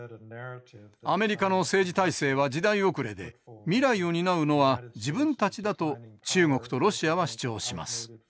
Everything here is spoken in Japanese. アメリカの政治体制は時代遅れで未来を担うのは自分たちだと中国とロシアは主張します。